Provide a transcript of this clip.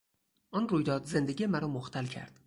آن رویداد زندگی مرا مختل کرد.